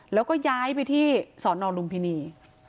แล้วก็ย้ายไปที่สอนอลุมพินี